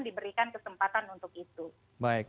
diberikan kesempatan untuk itu baik